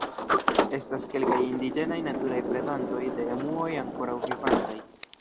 Estas kelkaj indiĝenaj naturaj predantoj de emuoj ankoraŭ vivantaj.